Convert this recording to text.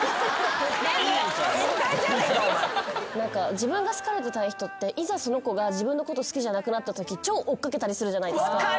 自分が好かれてたい人っていざその子が自分のこと好きじゃなくなったとき超追っ掛けたりするじゃないですか。